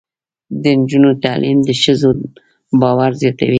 د نجونو تعلیم د ښځو باور زیاتوي.